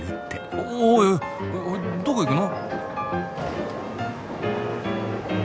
おいおいどこ行くの？